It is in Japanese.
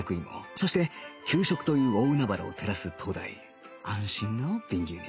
そして給食という大海原を照らす灯台安心の瓶牛乳